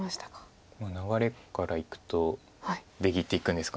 流れからいくと出切っていくんですか。